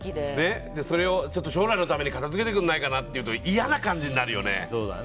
それを将来のために片づけてくれないかなって言うと嫌な感じになるよね。